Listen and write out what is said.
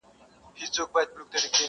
حقيقت بايد ومنل سي دلته،